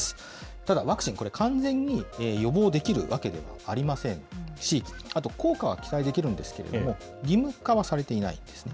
ただ、ワクチン、これ完全に予防できるわけではありませんし、あと、効果は期待できるんですけれども、義務化はされていないんですね。